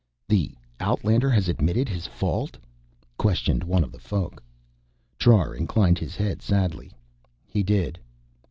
"The outlander has admitted his fault?" questioned one of the Folk. Trar inclined his head sadly. "He did."